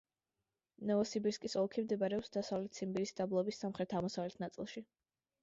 ნოვოსიბირსკის ოლქი მდებარეობს დასავლეთ ციმბირის დაბლობის სამხრეთ-აღმოსავლეთ ნაწილში.